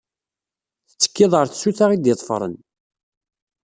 Tettekkiḍ ar tsuta i d-iḍefṛen.